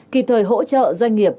kịp thời hỗ trợ doanh nghiệp